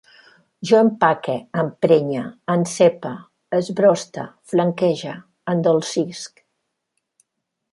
Jo empaque, emprenye, encepe, esbroste, flanquege, endolcisc